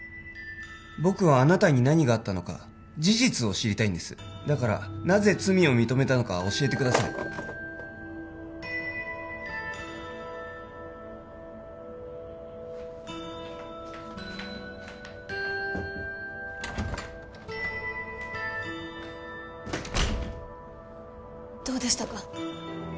僕はあなたに何があったのか事実を知りたいんですだからなぜ罪を認めたのか教えてくださいどうでしたか？